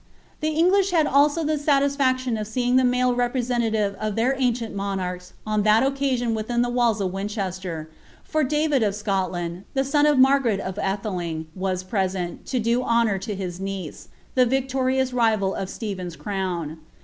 The English had also the satisfaction of seeing the male Rpivaeiiiative of their aucient rouiiarchs on llial occasion within the walls of Winchester; fur David of Scotland, the son of Margaret of Alhding, w» precent, to do honour lo his niece, — the victorious rival oC Sirpbeii'a crown.